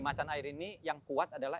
macan air ini yang kuat adalah